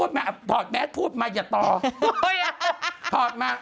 ใช่แต่พูดมาถอดแม่พูดมาอย่าต่อ